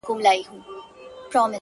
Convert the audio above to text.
o ورته ښېراوي هر ماښام كومه ـ